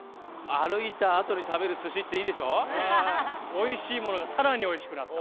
美味しいものがさらに美味しくなった。